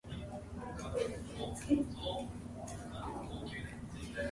Mexican tortas are prepared with this bread.